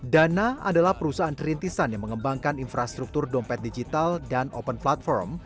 dana adalah perusahaan perintisan yang mengembangkan infrastruktur dompet digital dan open platform